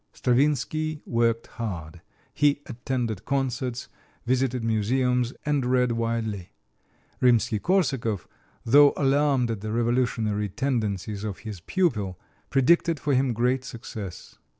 Stravinsky worked hard. He attended concerts, visited museums and read widely. Rimsky Korsakov, though alarmed at the revolutionary tendencies of his pupil, predicted for him great success.